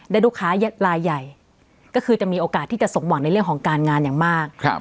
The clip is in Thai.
ลูกค้าลายใหญ่ก็คือจะมีโอกาสที่จะสมหวังในเรื่องของการงานอย่างมาก